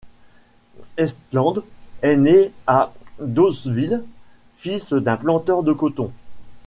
Eastland est né à Doddsville, fils d'un planteur de coton.